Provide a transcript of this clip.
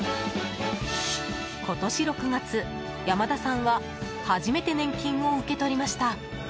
今年６月、山田さんは初めて年金を受け取りました。